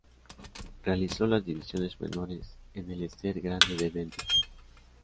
Realizó las divisiones menores en el Esther Grande de Bentín.